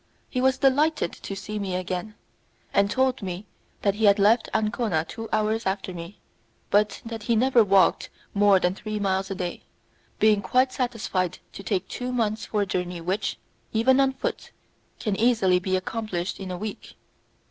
He was delighted to see me again, and told me that he had left Ancona two hours after me, but that he never walked more than three miles a day, being quite satisfied to take two months for a journey which, even on foot, can easily be accomplished in a week.